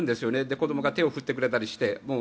子どもが手を振ってくれたりして。